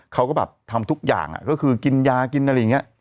เขาก็แบบทำทุกอย่างก็คือกินยากินอะไรอย่างนี้